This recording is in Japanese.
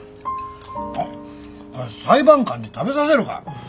あっ裁判官に食べさせるか？